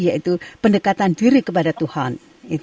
yaitu pendekatan diri kepada tuhan